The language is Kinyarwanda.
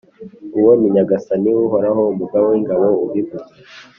Uwo ni Nyagasani Uhoraho, Umugaba w’ingabo, ubivuze.